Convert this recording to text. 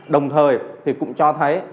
đồng thời thì cũng cho thấy